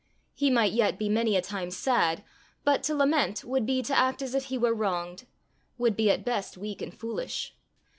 He might yet be many a time sad, but to lament would be to act as if he were wronged would be at best weak and foolish!